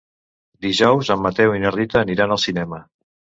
Dijous en Mateu i na Rita aniran al cinema.